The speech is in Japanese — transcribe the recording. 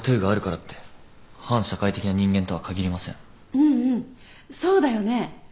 うんうんそうだよね。